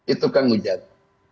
itu kan ujang